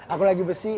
aku lagi bersih